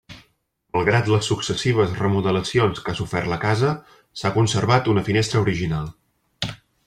Malgrat les successives remodelacions que ha sofert la casa, s'ha conservat una finestra original.